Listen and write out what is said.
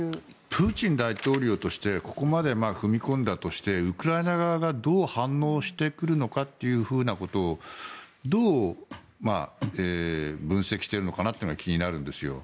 プーチン大統領としてここまで踏み込んだとしてウクライナ側がどう反応してくるのかということをどう分析しているのかなというのが気になるんですよ。